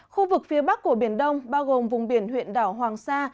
khu vực phía bắc của biển đông bao gồm vùng biển huyện đảo hoàng sa